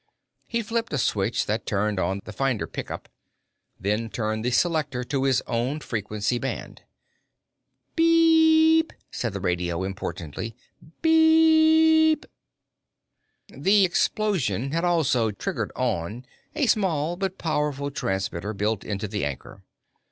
He flipped a switch that turned on the finder pickup, then turned the selector to his own frequency band. Beep! said the radio importantly. Beep! The explosion had also triggered on a small but powerful transmitter built into the anchor.